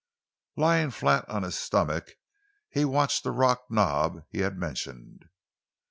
Lying flat on his stomach, he watched the rock knob he had mentioned.